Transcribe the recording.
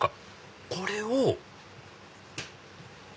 これを。